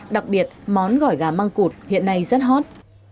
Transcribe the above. đặc biệt món gỏi gà măng cụt hiện nay rất hot